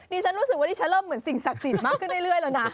ฉันรู้สึกว่าดิฉันเริ่มเหมือนสิ่งศักดิ์สิทธิ์มากขึ้นเรื่อยแล้วนะ